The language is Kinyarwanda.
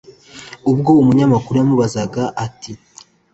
ubwo umunyamakuru yamubazaga ati